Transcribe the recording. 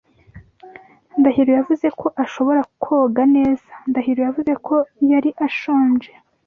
Ndahiro yavuze ko ashobora koga neza. Ndahiro yavuze ko yari ashonje.